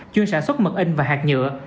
chuyên sản xuất mực in và hạt nhựa